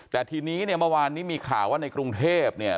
แต่ทีนี้เนี่ยเมื่อวานนี้มีข่าวว่าในกรุงเทพเนี่ย